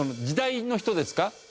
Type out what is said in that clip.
時代の人ですか？